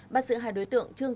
bắt giữ hai đối tượng